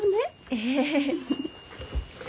ええ。